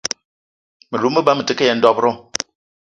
Me lou me ba me te ke yen dob-ro